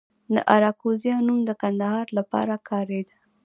د اراکوزیا نوم د کندهار لپاره کاریده